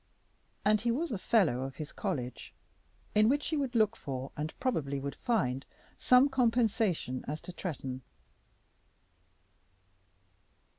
And he was a fellow of his college, in which she would look for, and probably would find, some compensation as to Tretton.